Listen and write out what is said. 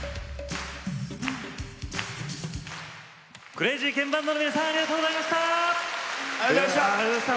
クレイジーケンバンドの皆さん、ありがとうございました。